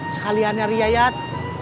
sekalian dari yayat